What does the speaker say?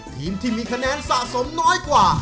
ทีมที่มีคะแนนสะสมน้อยกว่า